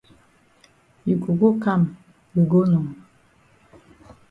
You go go kam we go nor.